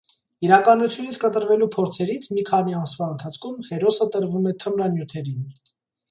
Իրականությունից կտրվելու փորձերից, մի քանի ամսվա ընթացքում, հերոսը տրվում է թմրանյութերին։